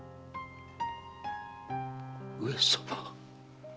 上様。